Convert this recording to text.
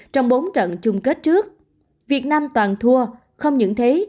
trong bốn trận chung kết trước việt nam toàn thua không những thế